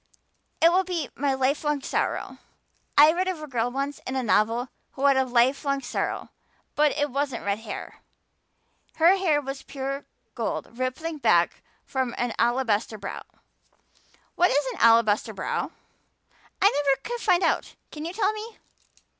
It will be my lifelong sorrow. I read of a girl once in a novel who had a lifelong sorrow but it wasn't red hair. Her hair was pure gold rippling back from her alabaster brow. What is an alabaster brow? I never could find out. Can you tell me?"